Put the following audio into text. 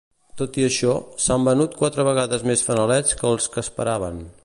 Tot i això, s'han venut quatre vegades més fanalets que els que esperaven.